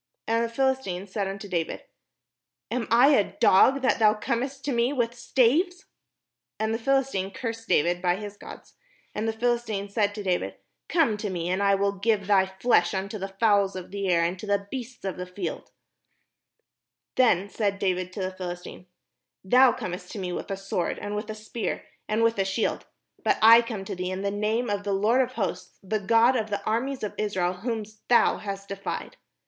And the PhiUstine said unto David: "Am I a dog, that thou comest to me with staves? " And the Philistine cursed David by his gods. And the Philistine said to David, "Come to me, and I vnW give thy flesh unto the fowls of the air, and to the beasts of the field." 5SO THE SHEPHERD BOY WHO BECAME KING Then said David to the Philistine: "Thou comest to me with a sword, and with a spear, and with a shield: but I come to thee in the name of the Lord of hosts, the God of the armies of Israel, whom thou hast defied.